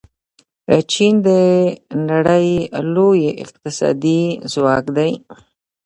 چین د نړۍ لوی اقتصادي ځواک دی.